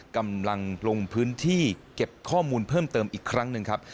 กำลังลงพื้นที่เก็บข้อมูลเพิ่มเติมอีกครั้งหนึ่งครับ